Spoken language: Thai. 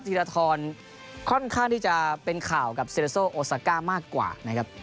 ธีรทรค่อนข้างที่จะเป็นข่าวกับเซเลโซโอซาก้ามากกว่านะครับ